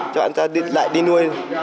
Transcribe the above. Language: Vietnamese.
cho nó ăn ta lại đi nuôi